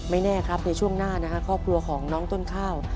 แน่ครับในช่วงหน้านะฮะครอบครัวของน้องต้นข้าว